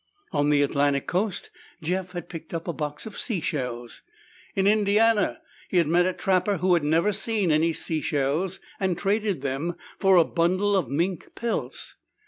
On the Atlantic Coast, Jeff had picked up a box of sea shells. In Indiana, he had met a trapper who'd never seen any sea shells and traded them for a bundle of mink pelts.